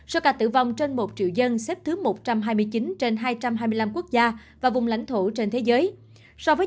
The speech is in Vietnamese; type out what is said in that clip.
số ca tử vong trên một triệu dân xếp thứ một trăm hai mươi chín trên hai trăm hai mươi năm quốc gia và vùng lãnh thổ trên thế giới